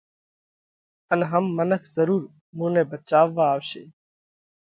ان هم منک ضرُور مُون نئہ ڀچاوا آوشي۔